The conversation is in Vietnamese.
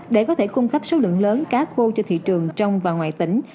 để có thể cung cấp số lượng lớn cá khô cho thị trường trong và ngoài tỉnh